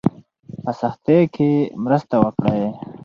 په سختۍ کې مرسته وکړئ.